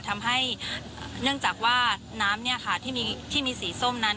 ทำให้เนื่องจากว่าน้ำที่มีสีส้มนั้น